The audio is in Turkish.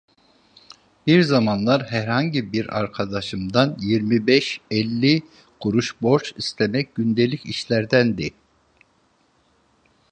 Bir zamanlar herhangi bir arkadaşından yirmi beş elli kuruş borç istemek gündelik işlerdendi.